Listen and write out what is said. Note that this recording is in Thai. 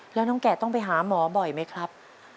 แล้วน้องแกะต้องไปหาหมอบ่อยไหมครับ